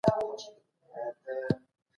پیغمبر علیه السلام د ټولو مشر و.